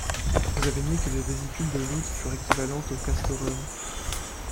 Vous avez nié que les vésicules de loutre fussent équivalentes au castoreum.